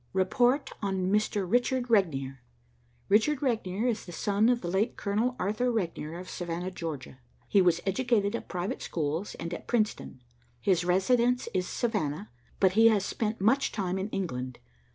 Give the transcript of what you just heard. "Report on Mr. Richard Regnier. Richard Regnier is the son of the late Colonel Arthur Regnier of Savannah, Georgia. He was educated at private schools, and at Princeton. His residence is Savannah, but he has spent much time in England.